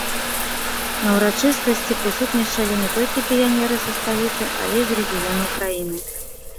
На ўрачыстасці прысутнічалі не толькі піянеры са сталіцы, але і з рэгіёнаў краіны.